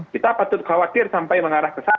kita patut khawatir sampai mengarah ke sana